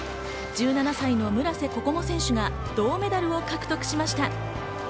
１７歳の村瀬心椛選手が銅メダルを獲得しました。